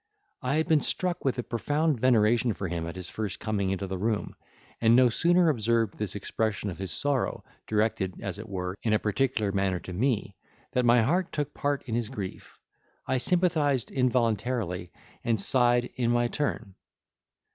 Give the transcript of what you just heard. I had been struck with a profound veneration for him at his first coming into the room; and no sooner observed this expression of his sorrow, directed, as it were, in a particular manner to me, that my heart took part in his grief; I sympathised involuntarily and sighed in my turn.